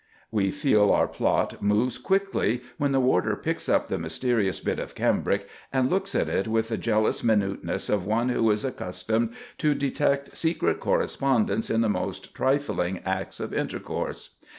'" We feel our plot moves quickly when the warder picks up the mysterious bit of cambric and "looks at it with the jealous minuteness of one who is accustomed to detect secret correspondence in the most trifling acts of intercourse.